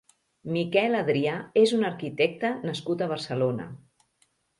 Miquel Adrià és un arquitecte nascut a Barcelona.